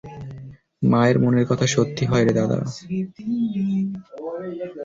মায়ের মনের কথা সত্যি হয়রে দোস।